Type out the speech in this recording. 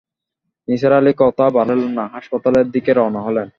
নিসার আলি কথা বাড়ালেন না, হাসপাতালের দিকে রওনা হলেন।